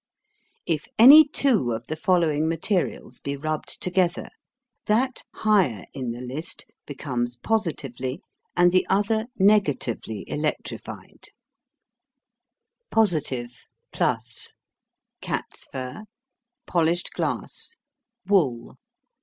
If any two of the following materials be rubbed together, that higher in the list becomes positively and the other negatively electrified: POSITIVE (+). Cats' fur. Polished glass. Wool.